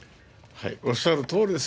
おっしゃるとおりです。